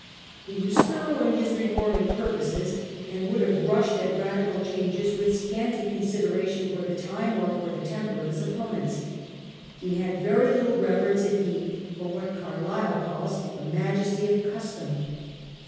He was thorough in his reform ing purposes, and would have rushed at radical changes with scanty consideration for the time or for the temper of his opponents. He had very little reverence indeed for what Carlyle calls the majesty of custom.